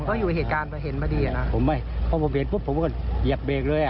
ก็อยู่ในเหตุการณ์เขาเห็นพอดีอ่ะนะผมไม่เพราะผมเห็นปุ๊บผมเหยียบเบรกเลยอ่ะ